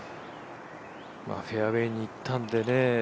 フェアウエーにいったんでね。